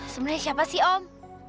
sebenarnya siapa sih om